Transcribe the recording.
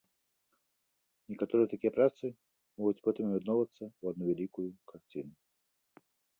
Некаторыя такія працы могуць потым аб'ядноўвацца ў адну вялікую карціну.